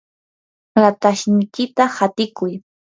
ratashniykita hatiykuy.